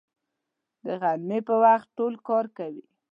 د غرمې په وخت ټول کار کوي